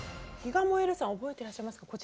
ひがもえるさん覚えてらっしゃいますか。